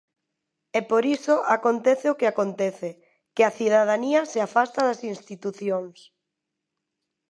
E por iso acontece o que acontece, que a cidadanía se afasta das institucións.